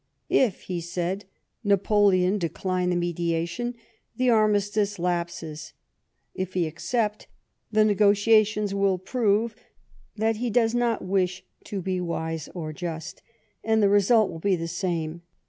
"If," he said, "Napoleon decliuc the mediation, the armistice lapses ; if he accept, the negotiations will prove that ho does not wish to be wise or just, and the result will be the same.